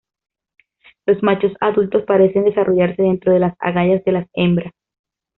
Los machos adultos parecen desarrollarse dentro de las agallas de las hembras.